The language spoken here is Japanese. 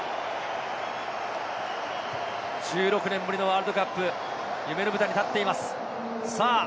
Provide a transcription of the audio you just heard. １６年ぶりのワールドカップ、夢の舞台に立っています。